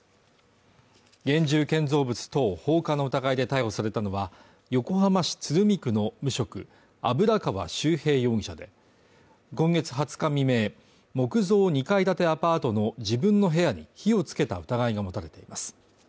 現住建造物等放火の疑いで逮捕されたのは横浜市鶴見区の無職油川秀平容疑者で、今月２０日未明、木造２階建てアパートの自分の部屋に火をつけた疑いが持たれています。